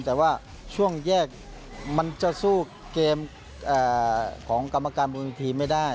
แต่ว่าช่วงแยกมันจะสู้เกมของกรรมการบริหารทีมไม่ได้